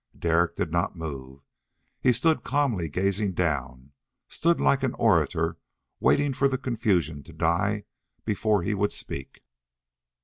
Derek did not move. He stood calmly gazing down; stood like an orator waiting for the confusion to die before he would speak.